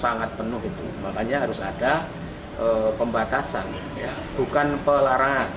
sangat penuh itu makanya harus ada pembatasan bukan pelarangan